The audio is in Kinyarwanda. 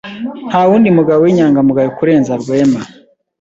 ntawundi mugabo w'inyangamugayo kurenza Rwema.